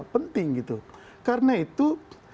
penting karena itu